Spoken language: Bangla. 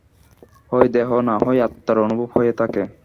হয় দেহ, না হয় আত্মার অনুভব হইয়া থাকে।